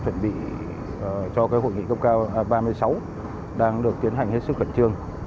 chuẩn bị cho cái hội nghị cấp cao ba mươi sáu đang được tiến hành hết sức khẩn trương